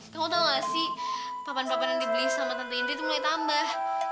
kamu tahu enggak sih papan papan yang dibeli sama tante indri itu mulai tambah